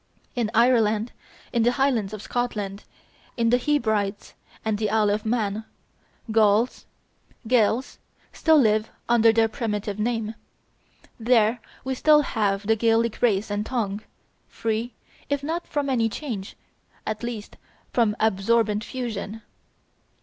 In Ireland, in the highlands of Scotland, in the Hebrides and the Isle of Man, Gauls (Gaels) still live under their primitive name. There we still have the Gaelic race and tongue, free, if not from any change, at least from absorbent fusion.